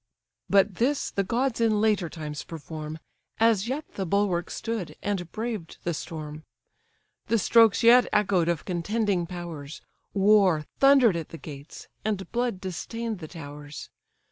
But this the gods in later times perform; As yet the bulwark stood, and braved the storm; The strokes yet echoed of contending powers; War thunder'd at the gates, and blood distain'd the towers.